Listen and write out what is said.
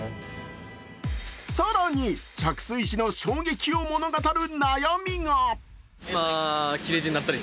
更に、着水時の衝撃を物語る悩みが。